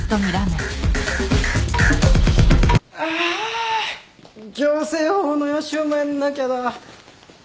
あ行政法の予習もやんなきゃだ。